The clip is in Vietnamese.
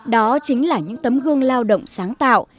đó chính là những tấm gương lao động sáng tạo